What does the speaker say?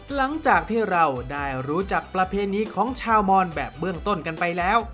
หลังจากที่เราได้รู้จักประเพณีของชาวมอนแบบเบื้องต้นกันไปแล้ว